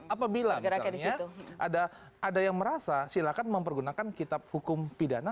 apabila misalnya ada yang merasa silakan mempergunakan kitab hukum pidana